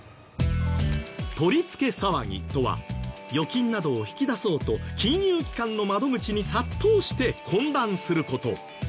取り付け騒ぎとは預金などを引き出そうと金融機関の窓口に殺到して混乱する事。